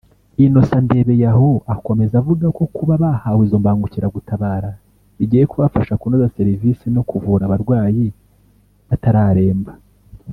Innocent Ndebeyaho akomeza avuga ko kuba bahawe izo mbangukiragutabara bigiye kubafasha kunoza serivisi no kuvura barwayi batararemba